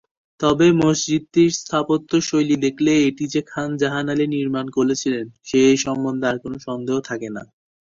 তবে মসজিদটির স্থাপত্যশৈলী দেখলে এটি যে খান জাহান আলী নির্মাণ করেছিলেন সে সম্বন্ধে কোনো সন্দেহ থাকে না।